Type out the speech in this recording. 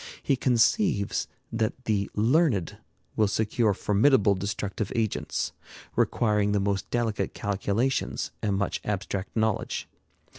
He conceives that the learned will secure formidable destructive agents, requiring the most delicate calculations and much abstract knowledge.